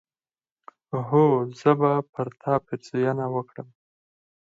هو! زه به پر تا پيرزوينه وکړم